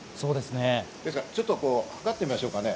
ですからちょっと測ってみましょうかね。